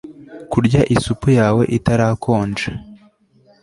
Kurya isupu yawe itarakonja